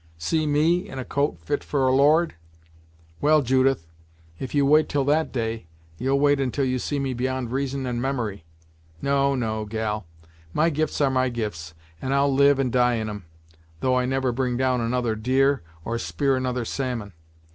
"See me in a coat fit for a Lord! Well, Judith, if you wait till that day, you'll wait until you see me beyond reason and memory. No no gal, my gifts are my gifts, and I'll live and die in 'em, though I never bring down another deer, or spear another salmon.